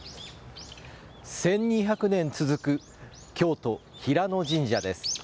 １２００年続く京都・平野神社です。